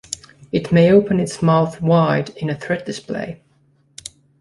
It may open its mouth wide in a threat display.